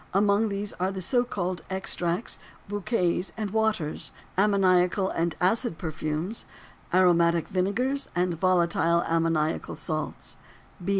Among these are the so called extracts, bouquets, and waters. Ammoniacal and acid perfumes: aromatic vinegars and volatile ammoniacal salts.